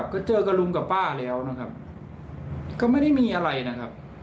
ก็เจอกับลุงกับป้าแล้วนะครับก็ไม่ได้มีอะไรนะครับ